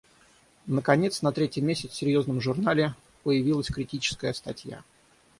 Наконец на третий месяц в серьезном журнале появилась критическая статья.